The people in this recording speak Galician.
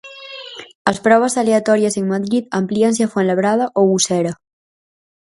As probas aleatorias en Madrid amplíanse a Fuenlabrada ou Usera.